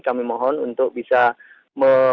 kami mohon untuk bisa